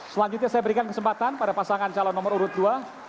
selanjutnya saya berikan kesempatan pada pasangan calon nomor urut dua